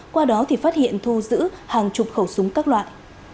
qua đó thì phát hiện thu giữ hàng chục khẩu súng các loại